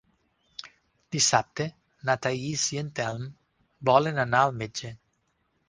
Dissabte na Thaís i en Telm volen anar al metge.